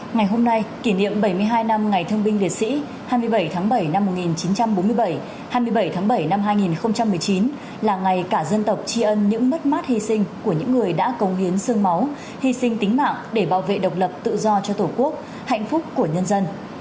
ngày hôm nay kỷ niệm bảy mươi hai năm ngày thương binh liệt sĩ hai mươi bảy tháng bảy năm một nghìn chín trăm bốn mươi bảy hai mươi bảy tháng bảy năm hai nghìn một mươi chín là ngày cả dân tộc tri ân những mất mát hy sinh của những người đã công hiến sương máu hy sinh tính mạng để bảo vệ độc lập tự do cho tổ quốc hạnh phúc của nhân dân